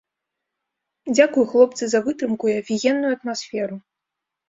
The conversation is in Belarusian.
Дзякуй, хлопцы, за вытрымку і афігенную атмасферу.